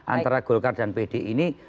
antara golkar dan pd ini